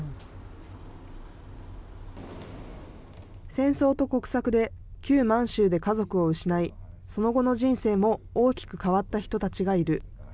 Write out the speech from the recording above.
戦争と国策で旧満州で家族を失い、その後の人生も大きく変わった人たちがいる。